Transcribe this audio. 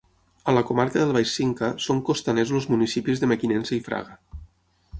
A la comarca del Baix Cinca són costaners els municipis de Mequinensa i Fraga.